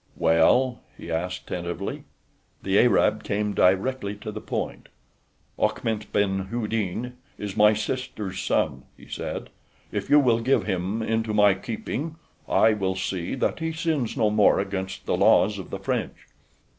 "Well?" he asked, tentatively. The Arab came directly to the point. "Achmet ben Houdin is my sister's son," he said. "If you will give him into my keeping I will see that he sins no more against the laws of the French."